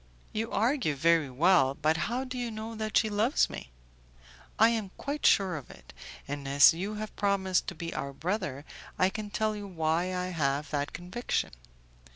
"You argue very well, but how do you know that she loves me?" "I am quite sure of it, and as you have promised to be our brother, I can tell you why I have that conviction.